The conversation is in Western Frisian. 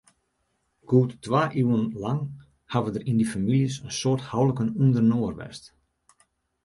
Goed twa iuwen lang hawwe der yn dy famyljes in soad houliken ûnderinoar west.